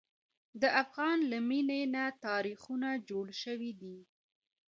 د افغان له مینې نه تاریخونه جوړ شوي دي.